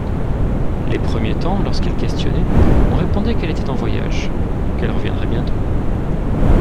Les premiers temps, lorsqu'il questionnait, on répondait qu'elle était en voyage, qu'elle reviendrait bientôt.